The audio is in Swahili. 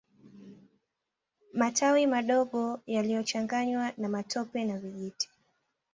Matawi madogo yaliyochanganywa na matope na vijiti